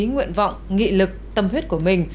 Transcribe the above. nguyện vọng nghị lực